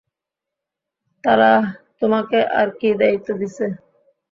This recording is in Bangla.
তারা তোমাকে আর কী দায়িত্ব দিছে?